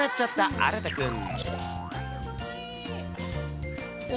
あらたくん。